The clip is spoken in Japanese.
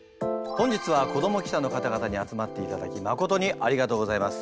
本日は子ども記者の方々に集まっていただきまことにありがとうございます。